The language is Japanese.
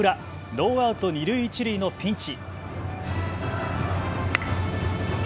ノーアウト二塁一塁のピンチ。